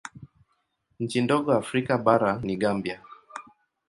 Nchi ndogo Afrika bara ni Gambia.